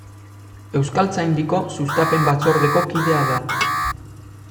Euskaltzaindiko Sustapen batzordeko kidea da.